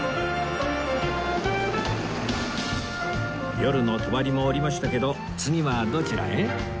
夜のとばりも下りましたけど次はどちらへ？